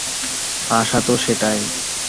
আশা তো সেটাই।